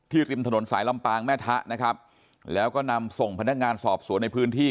ริมถนนสายลำปางแม่ทะนะครับแล้วก็นำส่งพนักงานสอบสวนในพื้นที่